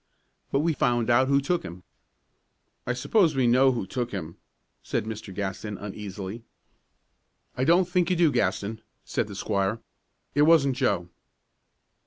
"But we found out who took him." "I suppose we know who took him," said Mr. Gaston, uneasily. "I don't think you do, Gaston," said the squire. "It wasn't Joe."